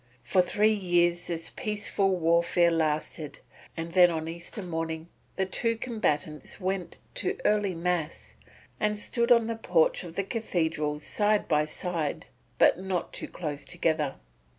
For three years this peaceful warfare lasted, and then on Easter morning the two combatants went to early Mass and stood in the porch of the cathedral side by side, but not too close together.